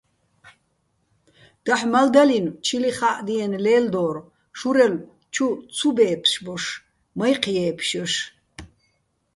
დაჰ̦ მალდალინო̆ ჩილიხა́ჸდიენო̆ ლელდორ, შურელო̆ ჩუ ცუ ბე́ფშბოშ, მაჲჴი̆ ჲე́ფშჲოშ.